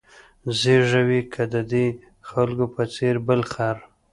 زېږوې که د دې خلکو په څېر بل خر